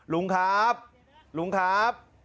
ลุงครับลุงครับ